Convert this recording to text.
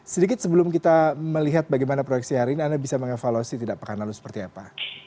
sedikit sebelum kita melihat bagaimana proyeksi hari ini anda bisa mengevaluasi tidak pekan lalu seperti apa